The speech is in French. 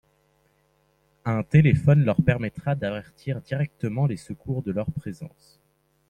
Un téléphone leur permettra d’avertir directement les secours de leur présence.